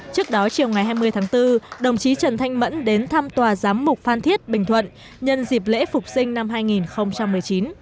trước đó chiều ngày hai mươi tháng bốn đồng chí trần thanh mẫn đến thăm tòa giám mục phan thiết bình thuận nhân dịp lễ phục sinh năm hai nghìn một mươi chín